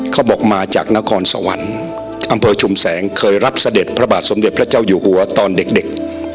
เขาบอกมาจากนครสวรรค์อำเภอชุมแสงเคยรับเสด็จพระบาทสมเด็จพระเจ้าอยู่หัวตอนเด็ก